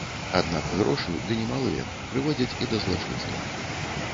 Аднак грошы, ды немалыя, прыводзяць і да злачынства.